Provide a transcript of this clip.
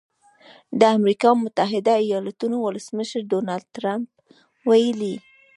د امریکا متحده ایالتونو ولسمشر ډونالډ ټرمپ ویلي